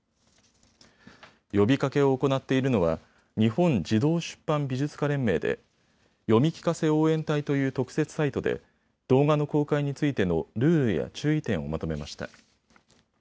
呼びかけを行っているのは日本児童出版美術家連盟で読み聞かせ応援隊という特設サイトで動画の公開についてのルールや注意点をまとめました。